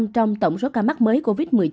trong tổng số ca mắc mới covid một mươi chín